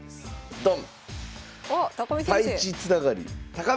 ドン。